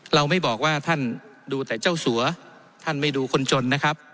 เราไม่บอกว่าท่านดูแต่เจ้าสัวท่านไม่ดูคนจนนะครับ